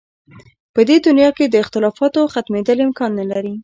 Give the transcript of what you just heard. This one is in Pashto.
په دې دنیا کې د اختلافاتو ختمېدل امکان نه لري.